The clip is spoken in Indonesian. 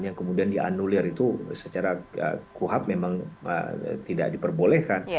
yang kemudian dianulir itu secara kuhab memang tidak diperbolehkan